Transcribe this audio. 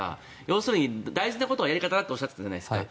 要するに、大事なことはやり方だとおっしゃってたじゃないですか。